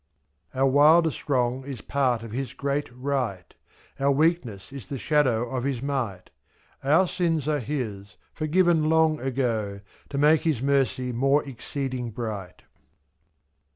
Our wildest wrong is part of His great Right, Our weakness is the shadow of His might, 7^« Our sins are His, forgiven long ago. To make His mercy more exceeding bright.